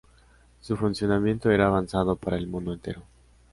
Su funcionamiento era avanzado para el mundo entero.